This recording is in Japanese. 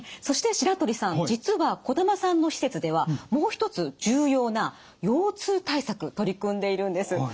そして白鳥さん実は児玉さんの施設ではもう一つ重要な腰痛対策取り組んでいるんです。